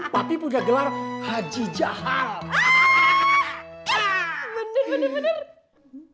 papi punya gelar haji janah